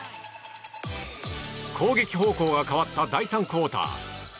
攻撃方向が変わった第３クオーター。